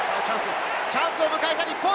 チャンスを迎えた日本。